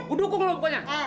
udah kukulok pokoknya